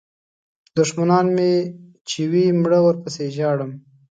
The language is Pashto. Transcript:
دوښمنان مې چې وي مړه ورپسې ژاړم.